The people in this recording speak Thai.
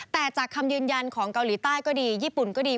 แต่จากคำยืนยันของเกาหลีใต้ก็ดีญี่ปุ่นก็ดี